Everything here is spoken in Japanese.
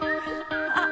あっ。